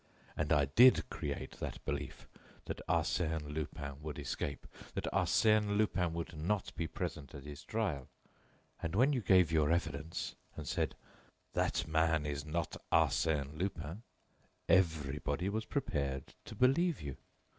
And I did create that belief that Arsène Lupin would escape, that Arsène Lupin would not be present at his trial. And when you gave your evidence and said: "That man is not Arsène Lupin," everybody was prepared to believe you.